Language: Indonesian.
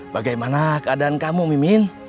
bagaimana keadaan kamu mimin